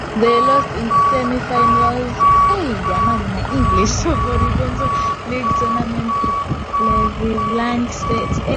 They lost in the semifinals of the Horizon League Tournament to Cleveland State.